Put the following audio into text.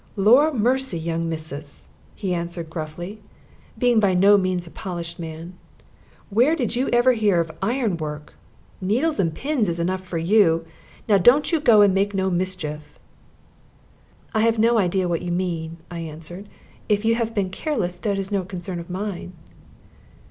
"Lor' a mercy, young missus!" he answered, gruffly, being by no means a polished man, "where did you ever hear of ironwork? Needles and pins is enough for you. Now don't you go and make no mischief." "I have no idea what you mean," I answered. "If you have been careless, that is no concern of mine."